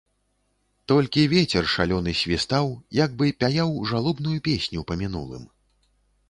Толькі вецер шалёны свістаў, як бы пяяў жалобную песню па мінулым.